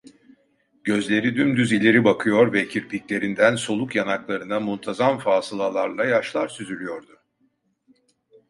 Gözleri dümdüz ileri bakıyor ve kirpiklerinden soluk yanaklarına muntazam fasılalarla yaşlar süzülüyordu.